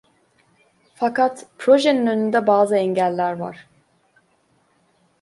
Fakat projenin önünde bazı engeller var.